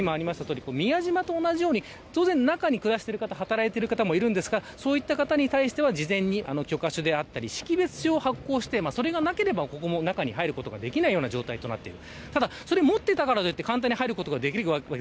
今ありましたとおり宮島と同じように中に暮らしている方働いている方もいらっしゃるんですがそういった方に対しては許可証であったり識別証を発行してそれがなければ、中に入ることができない状態となっている。